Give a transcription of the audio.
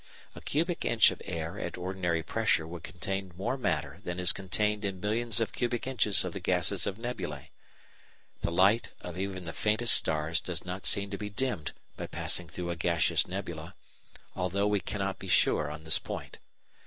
A cubic inch of air at ordinary pressure would contain more matter than is contained in millions of cubic inches of the gases of nebulæ. The light of even the faintest stars does not seem to be dimmed by passing through a gaseous nebula, although we cannot be sure on this point.